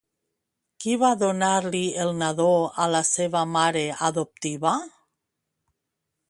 Qui va donar-li el nadó a la seva mare adoptiva?